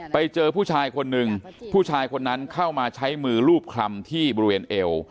ไปเจอผู้ชายคนหนึ่งผู้ชายคนนั้นเข้ามาใช้มือรูปคลำที่บริเวณเอว